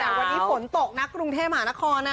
แต่วันนี้ฝนตกนะกรุงเทพฯหมานคร